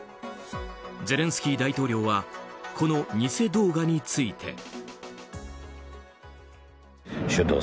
ゼレンスキー大統領はこの偽動画について。